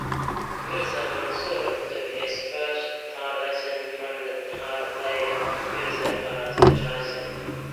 Mirza Mansur took his first tar lessons from the tar player Mirza Faraj Rzayev.